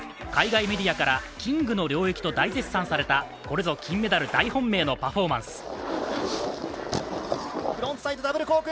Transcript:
海外メディアからキングの領域と大絶賛されたこれぞ金メダル大本命のパフォーマンス。